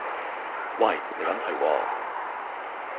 喂，離緊題喎